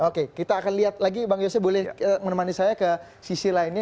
oke kita akan lihat lagi bang yose boleh menemani saya ke sisi lainnya